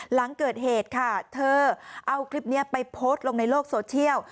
หลังเกิดเหตุค่ะเธอเอาคลิปนี้ไปโพสต์ลงในโลกโซเชียล